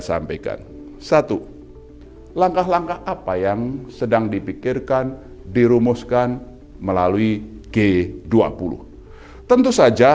sampaikan satu langkah langkah apa yang sedang dipikirkan dirumuskan melalui g dua puluh tentu saja